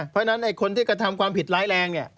เพราะฉะนั้นคนที่กระทำความผิดร้ายแรง